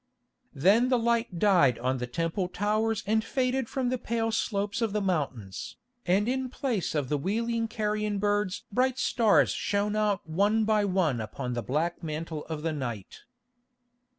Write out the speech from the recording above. Then the light died on the Temple towers and faded from the pale slopes of the mountains, and in place of the wheeling carrion birds bright stars shone out one by one upon the black mantle of the night.